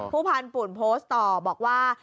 ผู้พันธุ์ปุ่นโพสต์ต่อบอกว่า